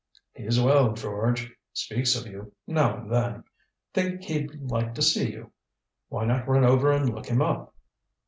"He's well, George. Speaks of you now and then. Think he'd like to see you. Why not run over and look him up?"